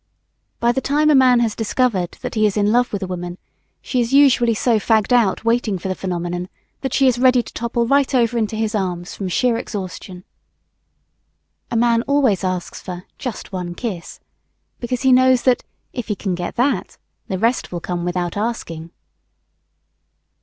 By the time a man has discovered that he is in love with a woman, she is usually so fagged out waiting for the phenomenon, that she is ready to topple right over into his arms from sheer exhaustion. A man always asks for "just one kiss" because he knows that, if he can get that, the rest will come without asking.